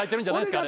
あれ。